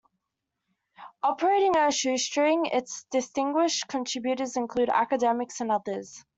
Operating on a shoestring, its distinguished contributors include academics and others.